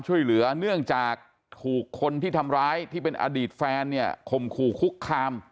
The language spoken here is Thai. ช่วยเหลือเนื่องจากถูกคนที่ทำร้ายที่เป็นอดีตแฟนเนี่ยข่มขู่คุกคาม